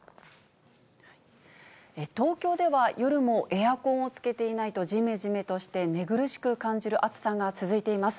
東京では夜もエアコンをつけていないとじめじめとして寝苦しく感じる暑さが続いています。